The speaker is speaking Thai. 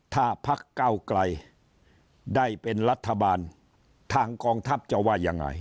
ถ้าพักเก้าไกลได้เป็นรัฐบาลทางกองทัพจะว่ายังไง